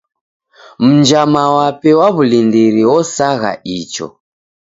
Mnjama wape wa w'ulindiri osagha icho.